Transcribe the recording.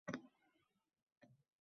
Borishni mo‘ljallagan joylarimiz ko‘p.